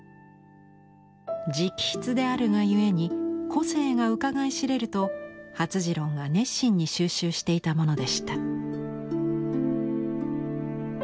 直筆であるがゆえに個性がうかがい知れると發次郎が熱心に蒐集していたものでした。